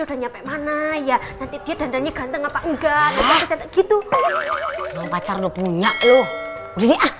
udah nyampe mana ya nanti dia dandanya ganteng apa enggak gitu pacar lo punya loh ini ah